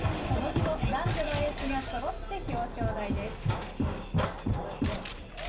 この日も男女のエースがそろって表彰台です。